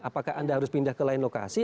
apakah anda harus pindah ke lain lokasi